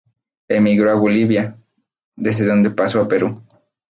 Emigró a Bolivia, desde donde pasó a Perú.